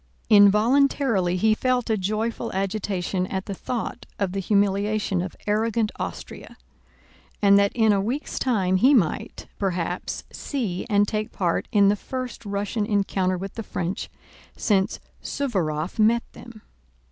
Involuntarily he felt a joyful agitation at the thought of the humiliation of arrogant Austria and that in a week's time he might, perhaps, see and take part in the first Russian encounter with the French since Suvórov met them.